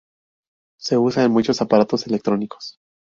Se usa en muchos aparatos electrónicos.